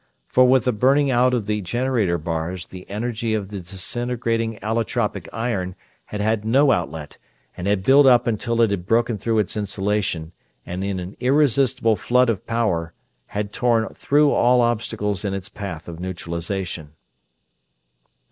For with the burning out of the generator bars the energy of the disintegrating allotropic iron had had no outlet, and had built up until it had broken through its insulation and in an irresistible flood of power had torn through all obstacles in its path of neutralization.